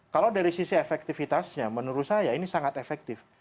kalau dari sisi efektivitasnya menurut saya ini sangat efektif